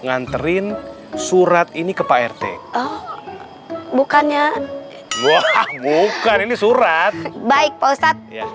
nganterin surat ini ke pak rt oh bukannya gua bukan ini surat baik posat laksanakan